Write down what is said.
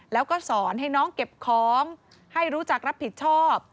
แล้วก็สอนให้น้องเก็บของให้รู้จักรับผิดชอบ